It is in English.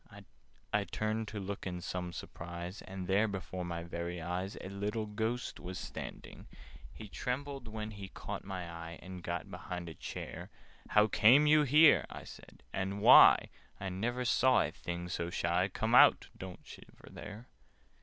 I turned to look in some surprise, And there, before my very eyes, A little Ghost was standing! He trembled when he caught my eye, And got behind a chair. "How came you here," I said, "and why? I never saw a thing so shy. Come out! Don't shiver there!"